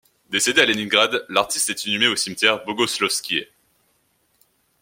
Décédé à Léningrad, l'artiste est inhumé au cimetière Bogoslovskoïe.